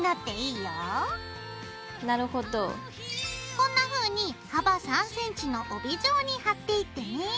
こんなふうに幅３ｃｍの帯状に貼っていってね。